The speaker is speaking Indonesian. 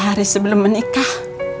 dua hari sebelum menikah